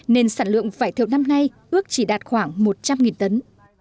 nên sản lượng vải thiều năm nay ước chỉ đạt khoảng một trăm linh tấn